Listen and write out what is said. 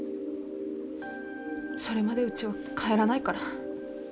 それまでうちは帰らないから。